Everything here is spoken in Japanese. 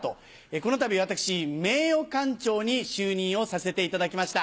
このたび私名誉館長に就任をさせていただきました。